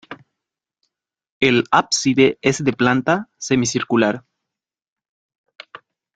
El ábside es de planta semicircular.